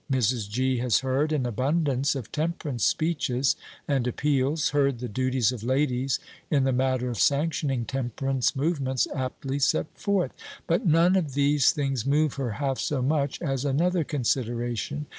Mrs. G. has heard an abundance of temperance speeches and appeals, heard the duties of ladies in the matter of sanctioning temperance movements aptly set forth, but "none of these things move her half so much as another consideration."